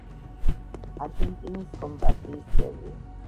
არგენტინის კომპარტიის წევრი.